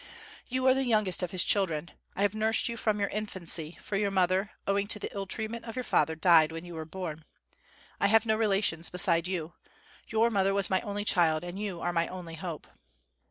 You are the youngest of his children. I have nursed you from your infancy; for your mother, owing to the ill treatment of your father, died when you were born. I have no relations beside you. Your mother was my only child, and you are my only hope."